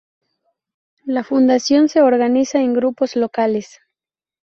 La fundación se organiza en grupos locales.